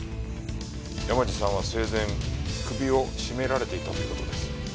山路さんは生前首を絞められていたという事です。